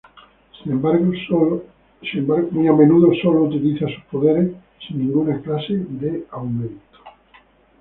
Sin embargo, muy a menudo sólo utiliza sus poderes sin ninguna clase de aumento.